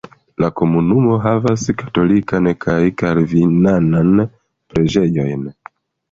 La komunumo havas katolikan kaj kalvinanan preĝejojn.